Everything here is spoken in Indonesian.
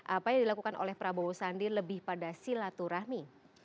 apa yang dilakukan oleh prabowo sandi lebih pada silaturahmi